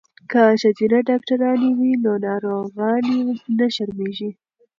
که ښځینه ډاکټرانې وي نو ناروغانې نه شرمیږي.